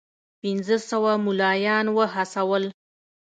پنځه سوه مُلایان وهڅول.